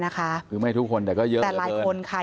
คือไม่ทุกคนแต่ก็เยอะเยอะเกิน